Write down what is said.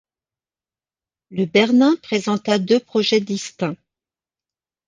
Le Bernin présenta deux projets distincts.